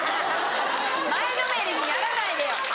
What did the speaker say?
前のめりにならないでよ。